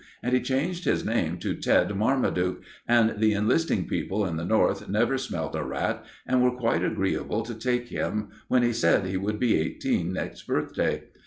And he changed his name to Ted Marmaduke, and the enlisting people in the North never smelt a rat, and were quite agreeable to take him when he said he would be eighteen next birthday.